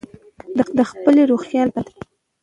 د خپلې روغتیا خیال ساتئ.